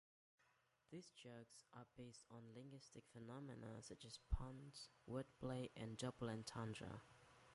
These jokes are based on linguistic phenomena such as puns, wordplay, and double entendre.